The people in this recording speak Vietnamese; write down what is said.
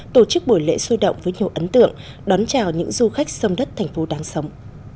tổ chức buổi lễ sôi động với nhiều ấn tượng đón chào những du khách sông đất thành phố đáng sống